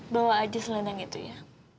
bahwa aja seleneng itu ya